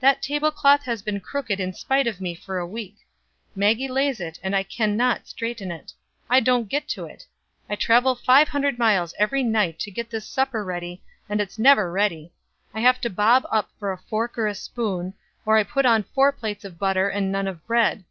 That table cloth has been crooked in spite of me for a week. Maggie lays it, and I can not straighten it. I don't get to it. I travel five hundred miles every night to get this supper ready, and it's never ready. I have to bob up for a fork or a spoon, or I put on four plates of butter and none of bread.